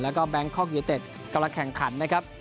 แล้วก็แบงคอกยูนิเต็ดกำลังแข่งขันนะครับ